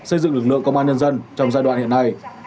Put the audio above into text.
xây dựng lực lượng công an nhân dân trong giai đoạn hiện nay